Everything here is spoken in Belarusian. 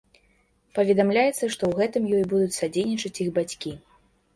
Паведамляецца, што ў гэтым ёй будуць садзейнічаць іх бацькі.